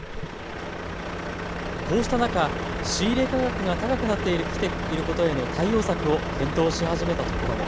こうした中、仕入れ価格が高くなってきていることへの対応策を検討し始めたところも。